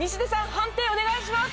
判定お願いします！